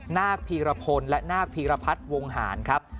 นาคพีรพลและนาคพีรพัฒน์วงหารครับ